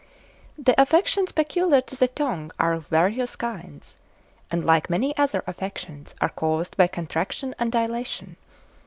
The affections peculiar to the tongue are of various kinds, and, like many other affections, are caused by contraction and dilation.